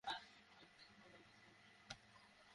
অতঃপর কাফেলাটি সেখানেই থেমে যায়।